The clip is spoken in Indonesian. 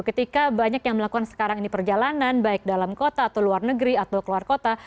ketika banyak yang melakukan sekarang ini perjalanan baik dalam kota atau luar negeri atau keluar kota